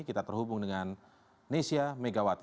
kita terhubung dengan nesya megawati